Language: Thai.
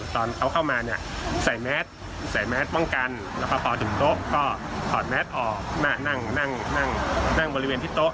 ตอนเขาเข้ามาเนี่ยใส่แมสใส่แมสป้องกันแล้วก็พอถึงโต๊ะก็ถอดแมสออกนั่งนั่งบริเวณที่โต๊ะ